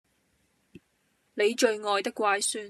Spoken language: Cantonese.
你最愛的乖孫